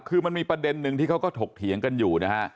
คือมันมีประเด็นนึงที่เขาก็ถกเถียงกันอยู่นะฮะ